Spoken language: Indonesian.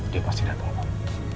dia pasti datang bang